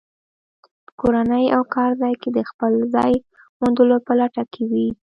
په کورنۍ او کارځای کې د خپل ځای موندلو په لټه کې وي.